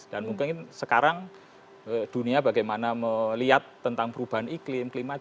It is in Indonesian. dan mungkin sekarang dunia bagaimana melihat tentang perubahan iklim klimat